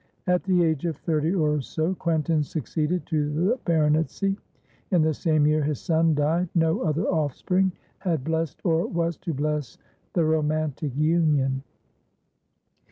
At the age of thirty or so, Quentin succeeded to the baronetcy. In the same year his son died. No other offspring had blessed, or was to bless, the romantic union.